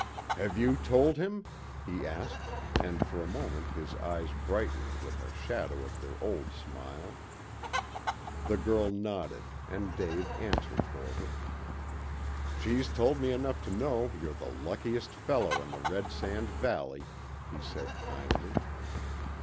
"Have you told him?" he asked, and for a moment his eyes brightened with a shadow of their old smile. The girl nodded, and Dave answered for her. "She's told me enough to know you're the luckiest fellow in the Red Sand Valley," he said kindly.